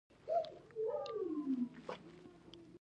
د کورنۍ دندې په توګه څو داسې جملې ولیکي.